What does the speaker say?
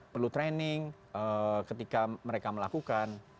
perlu training ketika mereka melakukan